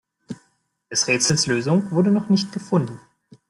Des Rätsels Lösung wurde noch nicht gefunden.